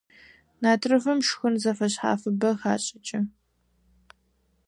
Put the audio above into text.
Натрыфым шхын зэфэшъхьафыбэ хашӀыкӀы.